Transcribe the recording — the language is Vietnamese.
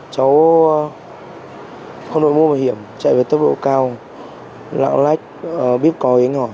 cháu không đổi môn bảo hiểm chạy với tốc độ cao lạng lách biết có hình hỏi